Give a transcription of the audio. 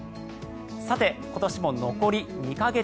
さて、今年も残り２か月。